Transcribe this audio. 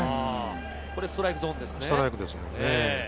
これはストライクゾーンですね。